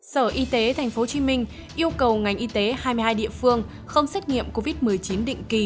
sở y tế tp hcm yêu cầu ngành y tế hai mươi hai địa phương không xét nghiệm covid một mươi chín định kỳ